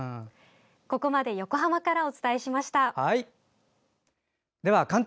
ここまで横浜からお伝えしました。